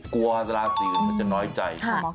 กลัวราศิกุมมันจะน้อยใจ